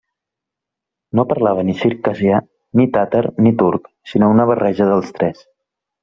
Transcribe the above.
No parlava ni circassià, ni tàtar, ni turc, sinó una barreja dels tres.